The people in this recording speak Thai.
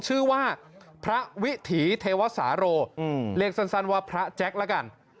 ชื่อว่าพระวิถีเทวสาโรเรียกสั้นว่าพระแจ็คละกัน